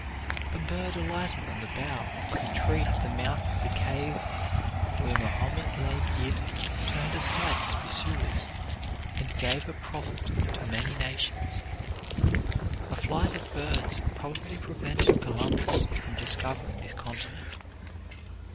A bird alighting on the bough of a tree at the mouth of the cave where Mahomet lay hid turned aside his pursuers, and gave a prophet to many nations. A flight of birds probably prevented Columbus from discovering this continent.